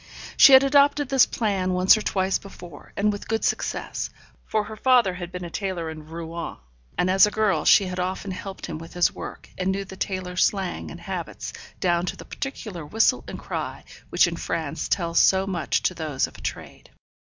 She had adopted this plan once or twice before, and with good success; for her father had been a tailor in Rouen, and as a girl she had often helped him with his work, and knew the tailors' slang and habits, down to the particular whistle and cry which in France tells so much to those of a trade.